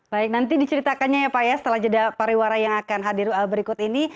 baik nanti diceritakannya ya pak ya setelah jeda pariwara yang akan hadir berikut ini